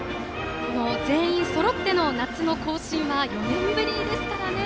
全員そろっての夏の行進は４年ぶりですからね。